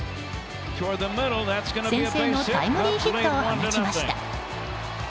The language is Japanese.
先制のタイムリーヒットを放ちました。